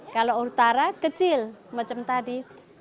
kalau utara kecil macam tadi